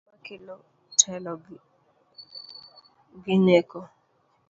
Bedo gi muma kelo telo gi neko